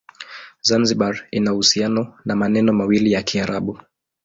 Zanzibar ina uhusiano na maneno mawili ya Kiarabu.